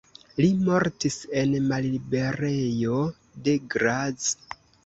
Li mortis en malliberejo de Graz.